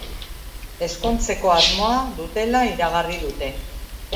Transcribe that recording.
Ezkontzeko asmoa dutela iragarri dute.